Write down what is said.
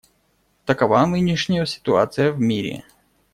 Такова нынешняя ситуация в мире.